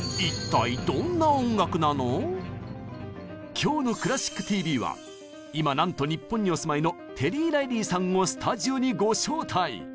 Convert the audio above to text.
今日の「クラシックＴＶ」は今なんと日本にお住まいのテリー・ライリーさんをスタジオにご招待！